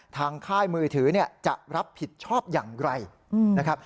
ค่ายมือถือจะรับผิดชอบอย่างไรนะครับ